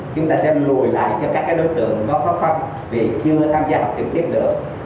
chúng ta sẽ lùi lại cho các đối tượng nó khó khăn vì chưa tham gia học trực tiếp nữa